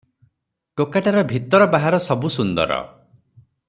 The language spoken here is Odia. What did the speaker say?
ଟୋକାଟାର ଭିତର ବାହାର ସବୁ ସୁନ୍ଦର ।